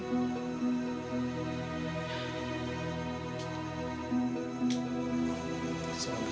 hai ada apa lu datang sini